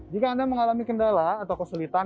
jika anda mengalami kendala atau kesulitan